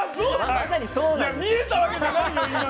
いや見えたわけじゃないよ